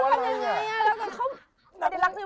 แล้วทำยังไงอะ